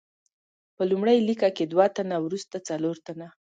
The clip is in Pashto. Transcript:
په لومړۍ لیکه کې دوه تنه، وروسته څلور تنه.